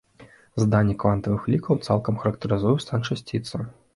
Заданне квантавых лікаў цалкам характарызуе стан часціцы.